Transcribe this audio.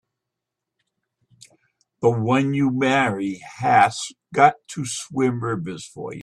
The one you marry has got to swim rivers for you!